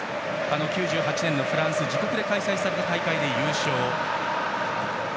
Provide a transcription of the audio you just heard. ９８年のフランス自国で開催された大会で優勝。